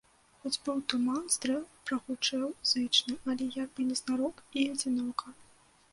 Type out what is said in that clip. Хоць быў туман, стрэл прагучэў зычна, але як бы незнарок і адзінока.